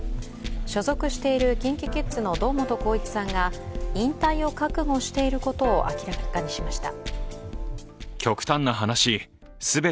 所属しているＫｉｎＫｉＫｉｄｓの堂本光一さんが引退を覚悟していることを明かしました。